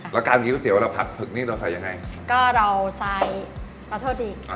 แล้วการยูเตี๋ยวเราผัดผึกนี่เราใส่ยังไง